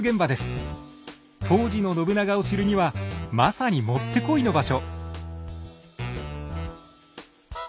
当時の信長を知るにはまさにもってこいの場所。